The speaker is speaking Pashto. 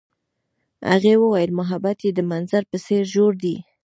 هغې وویل محبت یې د منظر په څېر ژور دی.